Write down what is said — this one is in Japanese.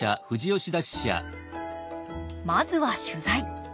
まずは取材。